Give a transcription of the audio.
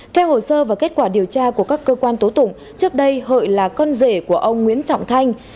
theo hồ sơ và kết quả điều tra của các cơ quan tố tụng trước đây hợi là con rể của ông nguyễn trọng thanh